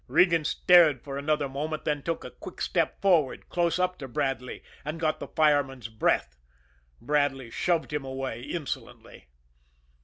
Regan stared for another moment; then took a quick step forward, close up to Bradley and got the fireman's breath. Bradley shoved him away insolently.